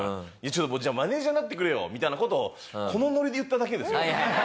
「ちょっともうじゃあマネジャーになってくれよ」みたいな事をこのノリで言っただけですよ。